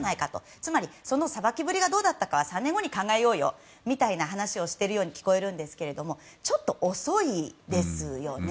つまり、そのさばきぶりがどうだったかは３年ぶりに考えようよというふうに話をしてるように聞こえるんですけどちょっと遅いですよね。